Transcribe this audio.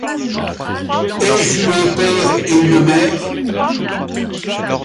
Ai-je eu un père et une mère?